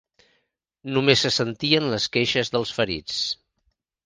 Només se sentien les queixes dels ferits.